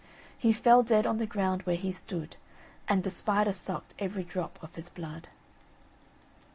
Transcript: He fell dead on the ground where he stood, And the spider suck'd every drop of his blood.